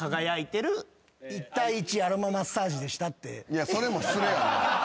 いやそれも失礼やな。